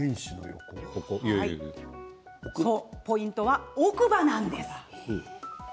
ポイントは奥歯なんです。